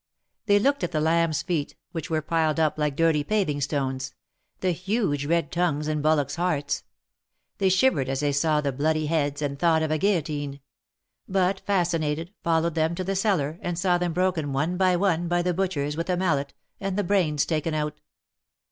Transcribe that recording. They looked at the lambs^ feet which were piled up like dirty paviug stones — the huge red tongues and bullocks' hearts. They shivered as they saw the bloody heads, and thought of a guillotine; but fascinated, followed them to the cellar, and saw them broken one by one by the butchers with a mallet, and the brains taken out.